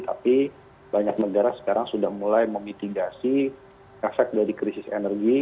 tapi banyak negara sekarang sudah mulai memitigasi efek dari krisis energi